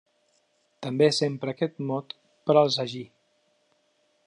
També s'empra aquest mot per al sagí.